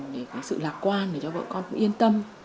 để có sự lạc quan để cho vợ con yên tâm